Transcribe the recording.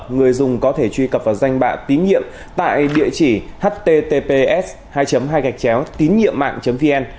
người dùng có thể truy cập vào danh bạ tín nhiệm tại địa chỉ https hai hai gạch chéo tín nhiệm mạng vn